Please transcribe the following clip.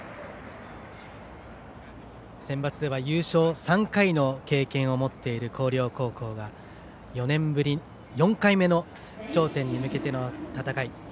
センバツでは優勝３回の経験を持っている広陵高校が４年ぶり４回目の頂点に向けての戦い。